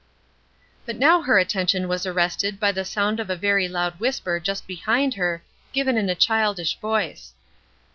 But now her attention was arrested by the sound of a very loud whisper just behind her, given in a childish voice.